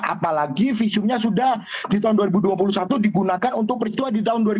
apalagi visumnya sudah di tahun dua ribu dua puluh satu digunakan untuk peristiwa di tahun dua ribu dua puluh